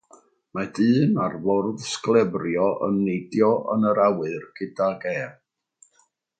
Mae dyn ar fwrdd sglefrio yn neidio yn yr awyr gydag ef.